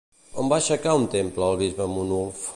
On va aixecar un temple, el bisbe Monulf?